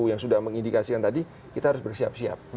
yang sudah mengindikasikan tadi kita harus bersiap siap